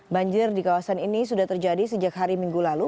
banjir di kawasan ini sudah terjadi sejak hari minggu lalu